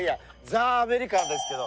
ザアメリカンですけど。